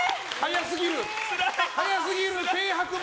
早すぎる！